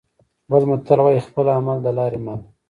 بل متل وايي: خپل عمل د لارې مل.